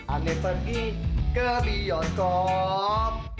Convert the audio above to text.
aneh pergi ke bionkop